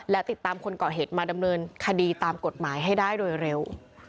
และติดตามคนเกาะเหตุมาดำเนินคดีตามกฎหมายให้ได้โดยเร็ว